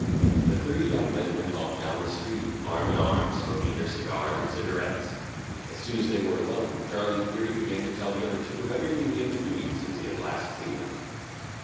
The three young men went off down the street, arm in arm, smoking their cigars and cigarettes. As soon as they were alone, Charlie Geary began to tell the other two of everything he had been doing since he had last seen them.